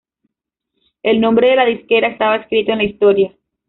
El nombre de la disquera estaba escrito en la historia.